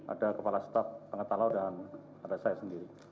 ada kepala staf angkatan laut dan ada saya sendiri